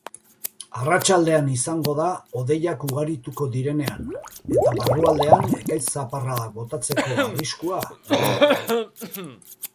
Arratsaldean izango da hodeiak ugarituko direnean eta barrualdean ekaitz-zaparradak botatzeko arriskua egongo da.